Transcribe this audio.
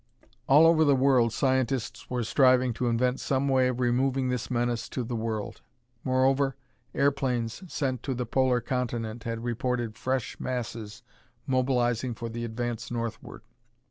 All over the world scientists were striving to invent some way of removing this menace to the world. Moreover, airplanes sent to the polar continent had reported fresh masses mobilizing for the advance northward.